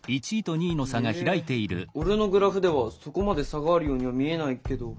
え俺のグラフではそこまで差があるようには見えないけど。